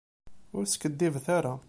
Ur skiddibet ara.